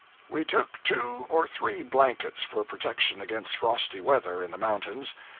024.jpg (96K) We took two or three blankets for protection against frosty weather in the mountains.